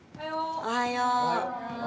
おはよう！